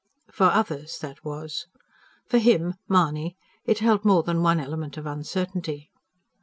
For others, that was. For him, Mahony, it held more than one element of uncertainty.